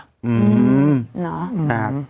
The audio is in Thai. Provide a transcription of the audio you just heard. อืม